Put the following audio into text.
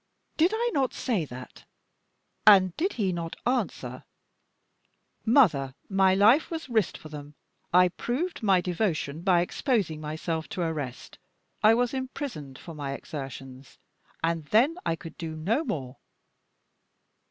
Did I not say that? And did he not answer, 'Mother, my life was risked for them. I proved my devotion by exposing myself to arrest I was imprisoned for my exertions and then I could do no more!